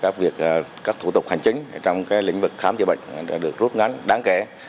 các thủ tục hành chính trong lĩnh vực khám chữa bệnh đã được rút ngắn đáng kể